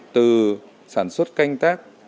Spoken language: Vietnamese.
từ sản xuất canh tác